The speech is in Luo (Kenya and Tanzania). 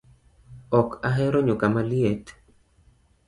Ok ahero nyuka maliet